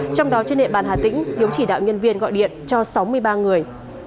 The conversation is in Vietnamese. trong đó trên địa bàn hà tĩnh hiếu chỉ đạo nhân viên gọi điện cho sáu mươi ba người